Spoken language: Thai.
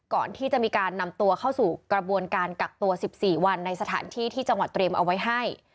ก่อนที่จะมีการนำตัวเข้าสู่กระบวนการกักตัว๑๔วันในสถานที่ที่จังหวัดเตรียมเอาไว้ให้